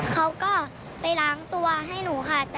เขาก็ไปล้างตัวให้หนูค่ะ